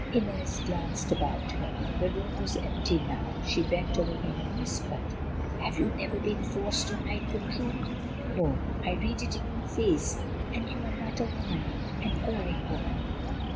Inez glanced about her; the room was empty now. She bent over him and whispered: "Have you never been forced to hide the truth? No, I read it in your face, and you are not a woman—an erring woman."